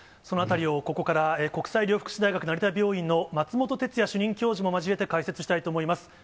そのあたりをここから、国際医療福祉大学成田病院の松本哲哉主任教授も交えて、解説したいと思います。